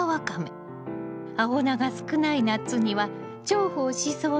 青菜が少ない夏には重宝しそうね。